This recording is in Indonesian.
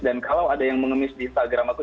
dan kalau ada yang mengemis di instagram aku